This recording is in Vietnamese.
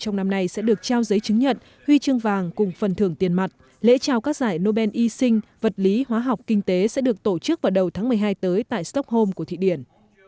trong năm nay sẽ được trao giấy chứng nhận huy chương vàng cùng phần thưởng tiền mặt lễ trao các giải nobel y sinh vật lý hóa học kinh tế sẽ được tổ chức vào đầu tháng một mươi hai tới tại stockholm của thụy điển